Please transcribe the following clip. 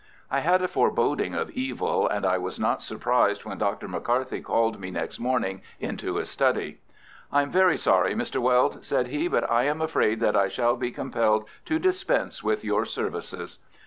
I had a foreboding of evil, and I was not surprised when Dr. McCarthy called me next morning into his study. "I am very sorry, Mr. Weld," said he, "but I am afraid that I shall be compelled to dispense with your services."